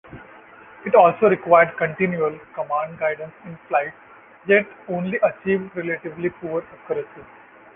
It also required continual command guidance in flight, yet only achieved relatively poor accuracy.